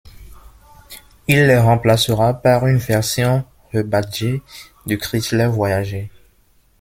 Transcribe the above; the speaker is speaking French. Il les remplacera par une version rebadgée du Chrysler Voyager.